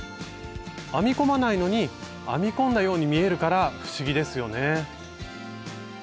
編み込まないのに編み込んだように見えるから不思議ですよね。